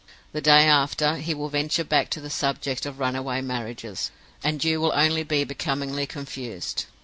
The day after, he will venture back to the subject of runaway marriages, and you will only be becomingly confused.